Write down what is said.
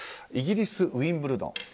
イギリス、ウィンブルドン。